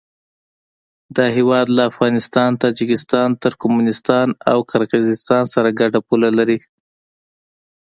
دا هېواد له افغانستان، تاجکستان، ترکمنستان او قرغیزستان سره ګډه پوله لري.